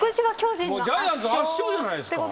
もうジャイアンツ圧勝じゃないですか。